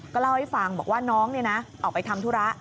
ก็เล่าให้ฟังบอกว่าน้องออกไปทำธุระ